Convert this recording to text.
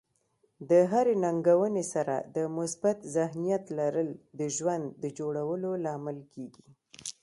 د هرې ننګونې سره د مثبت ذهنیت لرل د ژوند د جوړولو لامل کیږي.